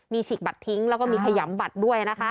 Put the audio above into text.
มีฉีกบัตรทิ้งแล้วก็มีขยำบัตรด้วยนะคะ